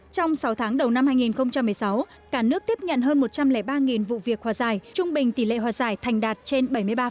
trong sáu tháng đầu năm hai nghìn một mươi sáu cả nước tiếp nhận hơn một trăm linh ba vụ việc hòa giải trung bình tỷ lệ hòa giải thành đạt trên bảy mươi ba